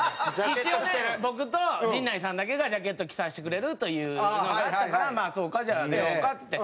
一応ね僕と陣内さんだけがジャケット着させてくれるというのがあったからまあそうかじゃあ出ようかっつって。